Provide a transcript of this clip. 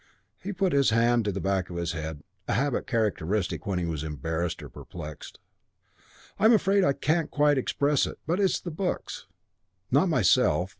He put his hand to the back of his head, a habit characteristic when he was embarrassed or perplexed. "I'm afraid I can't quite express it, but it's the books. Not myself.